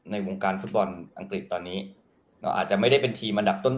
ในวงการฟุตบอลอังกฤษตอนนี้เราอาจจะไม่ได้เป็นทีมอันดับต้น